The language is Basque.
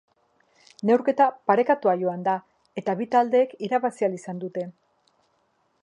Neurketa parekatua joan da, eta bi taldeek irabazi ahal izan dute.